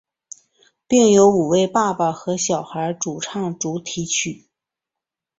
并由五位爸爸和小孩主唱主题曲。